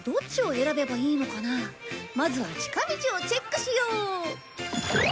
まずは近道をチェックしよう！